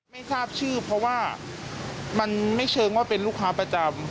ไม่ทราบชื่อเพราะว่ามันไม่เชิงว่าเป็นลูกค้าประจำ